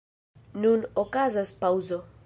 Nun okazas paŭzo.